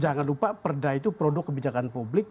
jangan lupa perda itu produk kebijakan publik